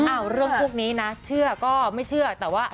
เรื่องพวกนี้นะเชื่อก็ไม่เชื่อแต่ว่า